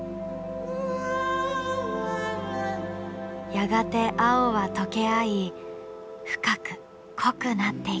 やがて青は溶け合い深く濃くなっていく。